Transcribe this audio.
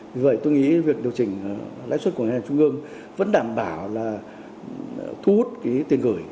vì vậy tôi nghĩ việc điều chỉnh lãi suất của ngân hàng trung ương vẫn đảm bảo là thu hút cái tiền gửi